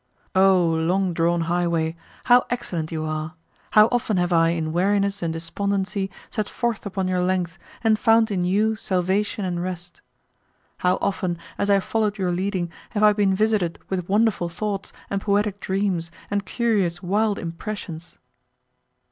Oh long drawn highway, how excellent you are! How often have I in weariness and despondency set forth upon your length, and found in you salvation and rest! How often, as I followed your leading, have I been visited with wonderful thoughts and poetic dreams and curious, wild impressions!